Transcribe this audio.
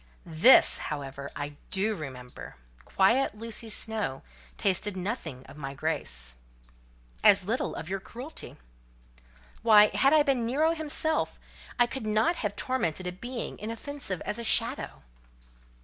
"This, however, I do remember: quiet Lucy Snowe tasted nothing of my grace." "As little of your cruelty." "Why, had I been Nero himself, I could not have tormented a being inoffensive as a shadow."